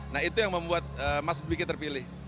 nah itu yang membuat mas dwi kidarmawan terpilih